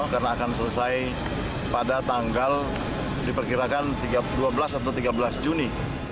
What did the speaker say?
karena akan selesai pada tanggal diperkirakan dua belas atau tiga belas juni